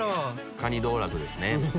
カニ道楽ですね。